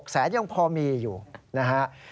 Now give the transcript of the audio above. แสนยังพอมีอยู่นะฮะ